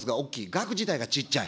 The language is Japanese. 額自体がちっちゃい。